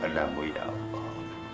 amba mu ya allah